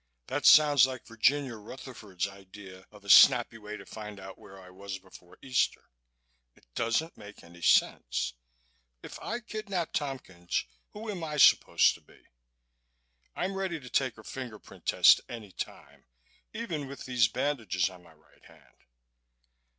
"That sounds like Virginia Rutherford's idea of a snappy way to find out where I was before Easter. It doesn't make sense. If I kidnapped Tompkins, who am I supposed to be? I'm ready to take a finger print test any time, even with these bandages on my right hand."